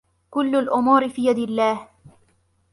كلّ الأمور في يد الله.